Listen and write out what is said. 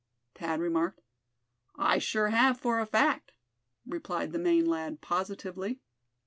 Thad remarked. "I sure have, for a fact," replied the Maine lad, positively.